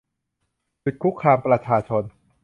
หยุดคุกคามประชาชน